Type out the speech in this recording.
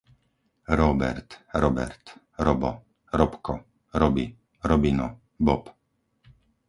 Róbert, Robert, Robo, Robko, Robi, Robino, Bob